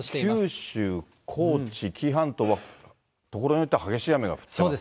九州、高知、紀伊半島はところによっては激しい雨が降ってますね。